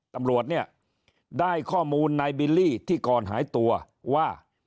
ตำรวจเนี่ยได้ข้อมูลนายบิลลี่ที่ก่อนหายตัวว่า